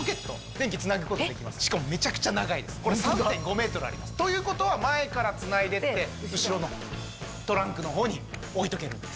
しかもめちゃくちゃ長いですこれ３．５ｍあります。ということは前からつないでって後ろのトランクの方に置いとけるんです。